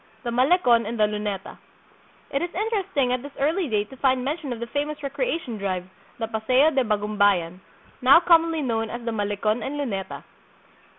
The Malecon and the Lunetcu. It is interesting at this early date to find mention of the famous recreation drive, the Paseo de Bagumbayan, now commonly known as the Malecon and Luneta.